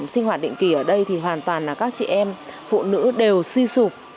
sinh hoạt định kỳ ở đây thì hoàn toàn là các chị em phụ nữ đều suy sụp